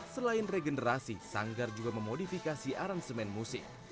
selain regenerasi sanggar juga memodifikasi aransemen musik